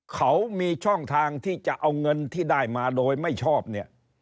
เขามีช่องทางที่จะเอาเงินที่ได้มาโดยไม่ชอบเนี่ย